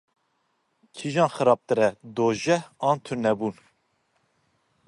Kîjan xirabtir e, dojeh an tunebûn?